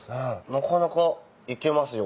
なかなかいけますよ